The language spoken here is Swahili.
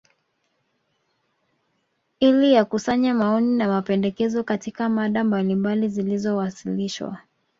ili yakusanywe maoni na mapendekezo Katika mada mbalimbali zilizowasilishwa